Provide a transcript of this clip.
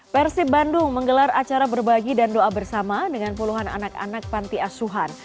persib bandung menggelar acara berbagi dan doa bersama dengan puluhan anak anak panti asuhan